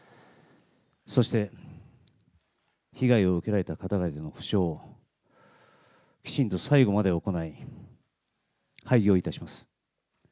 そして、被害を受けられた方々への補償をきちんと最後まで行い、廃業いたします。